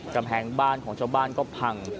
กำแพงบ้านของชาวบ้านก็พัง